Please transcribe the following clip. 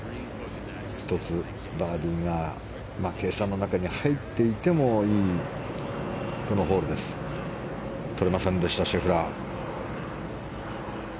１つバーディーが計算の中に入っていてもいいこのホールですがとれませんでしたシェフラー。